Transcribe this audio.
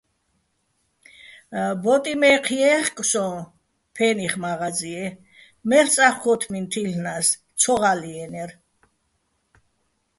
ბო́ტიჼ მაჲჴი̆ ჲე́ხკო̆ სოჼ ფე́ნიხ მა́ღაზიე, მელწა́ხ ქო́თმინ თი́ლ'ნა́ს, ცო ღა́ლჲიენო̆ ჲარ.